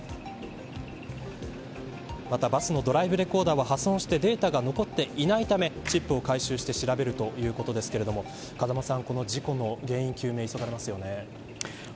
また、バスのドライブレコーダーは破損してデータが残っていないためチップを回収して調べるということですが風間さん、事故の原因究明が急がれますね。